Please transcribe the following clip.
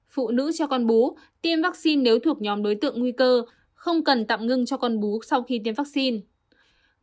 phụ nữ cho con bú tiêm vaccine nếu thuộc nhóm đối tượng nguy cơ không cần tạm ngưng cho con bú sau khi tiêm vaccine